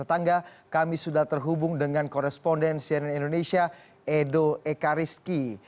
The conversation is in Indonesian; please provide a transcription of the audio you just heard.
tetangga kami sudah terhubung dengan koresponden cnn indonesia edo ekariski